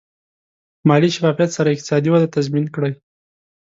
مالي شفافیت سره اقتصادي وده تضمین کړئ.